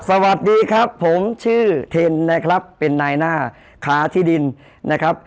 สวัสดีครับผมชื่อเทนนะครับเป็นนายหน้าค้าที่ดินนะครับ